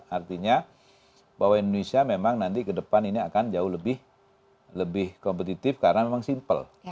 artinya bahwa indonesia memang nanti ke depan ini akan jauh lebih kompetitif karena memang simpel